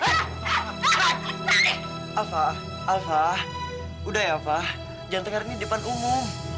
alva alva udah ya alva jangan denger ini depan umum